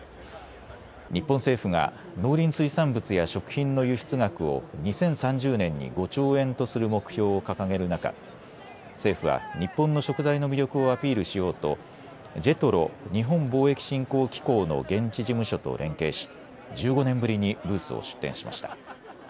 日本政府が農林水産物や食品の輸出額を２０３０年に５兆円とする目標を掲げる中、政府は日本の食材の魅力をアピールしようとＪＥＴＲＯ・日本貿易振興機構の現地事務所と連携し１５年ぶりにブースを出展しました。